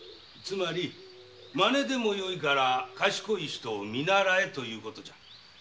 つまりマネでもよいから賢い人を見習えということじゃ。